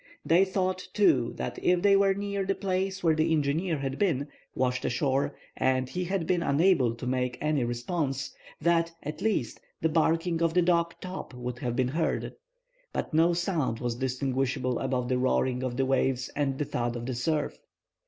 They thought, too, that if they were near the place where the engineer had been, washed ashore, and he had been unable to make any response, that, at least, the barking of the dog Top would have been heard. But no sound was distinguishable above the roaring of the waves and the thud of the surf.